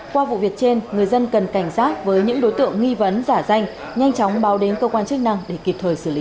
qua vụ việc trên người dân cần cảnh giác với những đối tượng nghi vấn giả danh nhanh chóng báo đến cơ quan chức năng để kịp thời xử lý